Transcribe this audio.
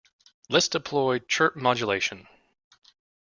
Let's deploy chirp modulation.